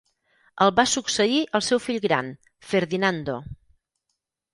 El va succeir el seu fill gran, Ferdinando.